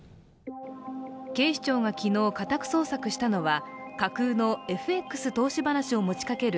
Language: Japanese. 警視庁が昨日、家宅捜索したのは架空のＦＸ投資話を持ちかける